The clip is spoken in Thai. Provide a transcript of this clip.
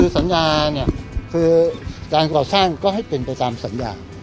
สัญญาณเนี่ยก็กดสร้างก็ให้เป็นตามสัญญาณ